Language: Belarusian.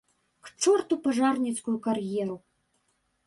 К чорту пажарніцкую кар'еру!